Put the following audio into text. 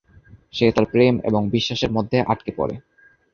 সে তার প্রেম এবং বিশ্বাসের মধ্যে আটকে পড়ে।